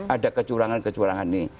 ada kecurangan kecurangan ini